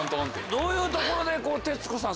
どういうところで徹子さん